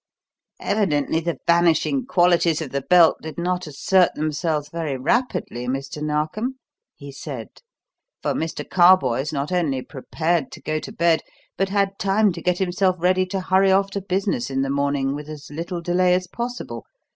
"Evidently the vanishing qualities of the belt did not assert themselves very rapidly, Mr. Narkom," he said, "for Mr. Carboys not only prepared to go to bed, but had time to get himself ready to hurry off to business in the morning with as little delay as possible.